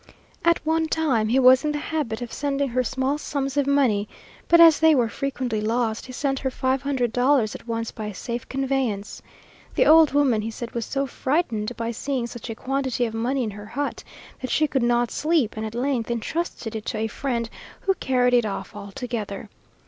At one time he was in the habit of sending her small sums of money; but as they were frequently lost, he sent her five hundred dollars at once by a safe conveyance. The old woman, he said, was so frightened by seeing such a quantity of money in her hut, that she could not sleep, and at length entrusted it to a friend, who carried it off altogether.